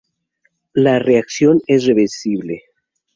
La reacción es reversible.